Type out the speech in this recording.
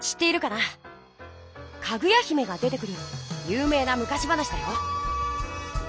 かぐや姫が出てくるゆう名な昔話だよ。